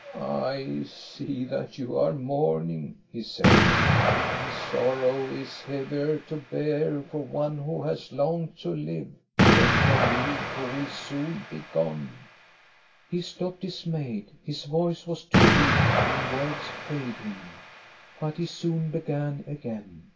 "* I see that you are mourning,' he said ;* and sor row is heavier to bear for one who has long to live than for me who will soon be gone.' He stopped dismayed. His voice was too weak, and words failed him. " But he soon began again.